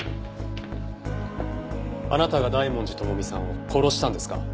あなたが大文字智美さんを殺したんですか？